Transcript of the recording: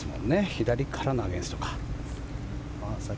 左からのアゲンストだ。